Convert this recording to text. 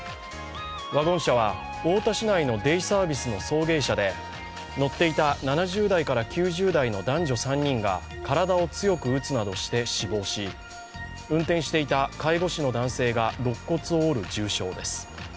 ワゴン車は太田市内のデイサービスの送迎車で乗っていた７０代から９０代の男女３人が体を強く打つなどして死亡し、運転していた介護士の男性がろっ骨を折る重傷です。